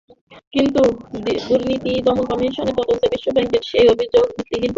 কিন্তু দুর্নীতি দমন কমিশনের তদন্তে বিশ্বব্যাংকের সেই অভিযোগ ভিত্তিহীন প্রমাণিত হয়।